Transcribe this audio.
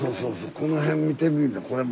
この辺見てみいなこれも。